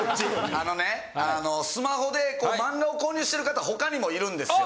あのねスマホで漫画を購入してる方他にもいるんですよ。